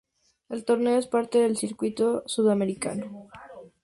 El torneo es parte del Circuito Sudamericano.